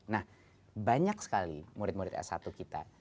nah banyak sekali murid murid s satu kita